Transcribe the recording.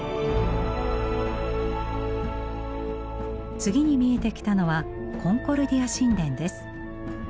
次に見えてきたのはコンコルディア神殿です。